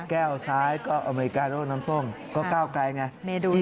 แก้วซ้ายก็อเมริกาแล้วก็น้ำส้มก็ก้าวไกลไง